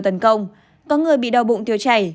tấn công có người bị đau bụng tiêu chảy